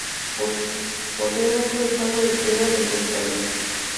Posee un retablo de piedra en tres cuerpos.